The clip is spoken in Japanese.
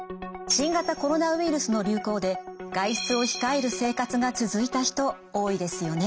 新型コロナウイルスの流行で外出を控える生活が続いた人多いですよね。